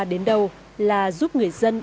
đến đâu là giúp người dân